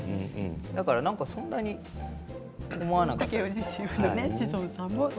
だからそんなに思わなかったですね。